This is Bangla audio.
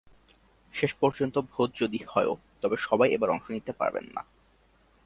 শেষ পর্যন্ত ভোজ যদি হয়ও, তবে সবাই এবার অংশ নিতে পারবেন না।